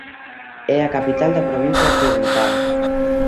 É a capital da provincia Occidental.